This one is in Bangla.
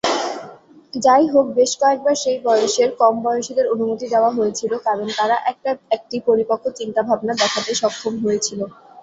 যাইহোক, বেশ কয়েকবার সেই বয়সের কম বয়সীদের অনুমতি দেওয়া হয়েছিল কারণ তারা একটি পরিপক্ক চিন্তাভাবনা দেখাতে সক্ষম হয়েছিল।